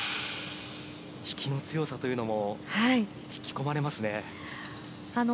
引きの強さというのも、引き込まれますね。